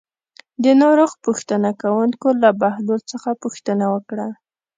د ناروغ پوښتنه کوونکو له بهلول څخه پوښتنه وکړه.